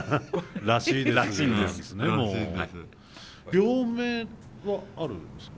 病名はあるんですか？